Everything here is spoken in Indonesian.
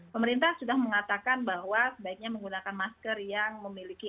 pemerintah sudah mengatakan bahwa sebaiknya menggunakan masker yang memiliki